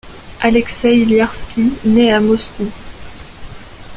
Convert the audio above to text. Alexeï Liarski nait à Moscou.